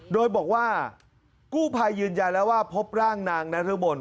โดยบอกว่ากู้ภัยยืนยันแล้วว่าพบร่างนางนรบน